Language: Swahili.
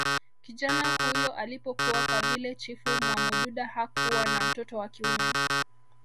kijana huyo alipokua kwa vile chifu mwamududa hakuwa na mtoto wa kiume